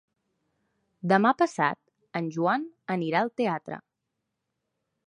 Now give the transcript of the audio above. Demà passat en Joan anirà al teatre.